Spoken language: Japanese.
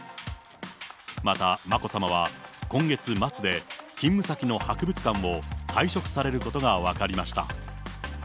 また眞子さまは、今月末で勤務先の博物館を退職されることが分かりました。